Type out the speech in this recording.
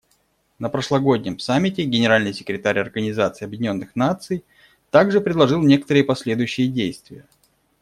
На прошлогоднем Саммите Генеральный секретарь Организации Объединенных Наций также предложил некоторые последующие действия.